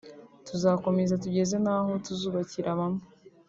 tuzakomeza tugeze n’aho tuzubakira bamwe